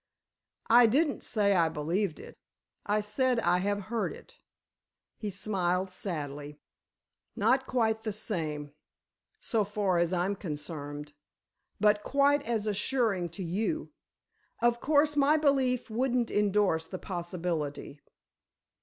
"I didn't say I believed it—I said I have heard it." He smiled sadly. "Not quite the same—so far as I'm concerned; but quite as assuring to you. Of course, my belief wouldn't endorse the possibility."